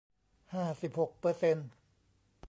ห้าสิบหกเปอร์เซนต์